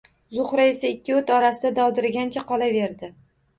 Zuhra esa ikki o`t orasida dovdiragancha qolaverdi